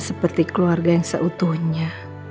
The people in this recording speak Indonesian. seperti keluarga yang seutuhnya